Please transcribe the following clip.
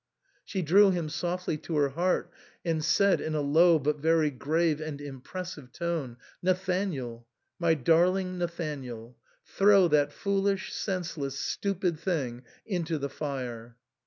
She drew him softly to her heart and said in a low but very grave and impressive tone, " Nathanael, my darling Nathan ael, throw that foolish, senseless, stupid thing into the fire."